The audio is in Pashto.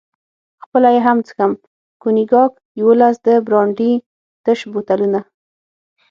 خپله یې هم څښم، کونیګاک، یوولس د برانډي تش بوتلونه.